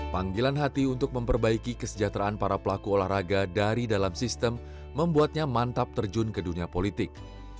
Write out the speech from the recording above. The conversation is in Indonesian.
panggilan hati untuk memperbaiki kesejahteraan para pelaku olahraga dari dalam sistem membuatnya mantap terjun ke dunia politik